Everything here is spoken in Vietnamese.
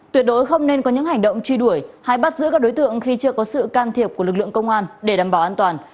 tuyệt đối không nên có những hành động truy đuổi hay bắt giữ các đối tượng khi chưa có sự can thiệp của lực lượng công an để đảm bảo an toàn